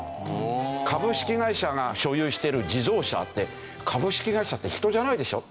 株式会社が所有してる自動車って株式会社って人じゃないでしょ？